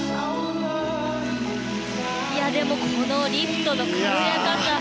でも、このリフトの軽やかさ。